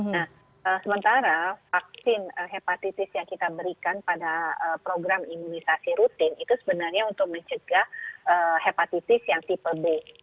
nah sementara vaksin hepatitis yang kita berikan pada program imunisasi rutin itu sebenarnya untuk mencegah hepatitis yang tipe b